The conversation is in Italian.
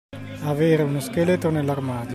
Avere uno scheletro nell'armadio.